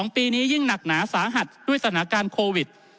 ปีนี้ยิ่งหนักหนาสาหัสด้วยสถานการณ์โควิด